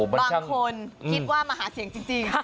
บางคนคิดว่ามาหาเสียงจริง